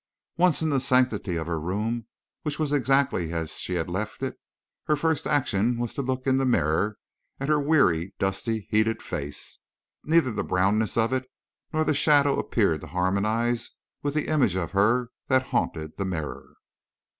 Once in the sanctity of her room, which was exactly as she had left it, her first action was to look in the mirror at her weary, dusty, heated face. Neither the brownness of it nor the shadow appeared to harmonize with the image of her that haunted the mirror.